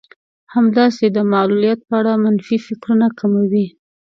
همداسې د معلوليت په اړه منفي فکرونه کموي.